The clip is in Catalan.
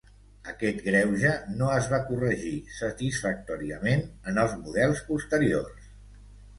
Aquest greuge no es va corregir satisfactòriament en els models posteriors.